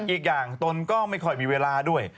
อีกอย่างตนก็ไม่ค่อยมีเวลาด้วย